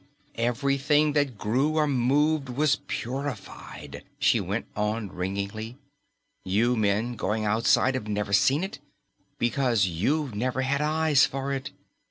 "Everything that grew or moved was purified," she went on ringingly. "You men going outside have never seen it, because you've never had eyes for it.